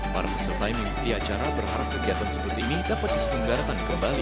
para peserta yang mengikuti acara berharap kegiatan seperti ini dapat diselenggarakan kembali